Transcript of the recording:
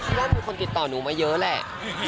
คุณพ่อรู้สึกว่ามีคนกิดต่อหนูมาเยอะแหละ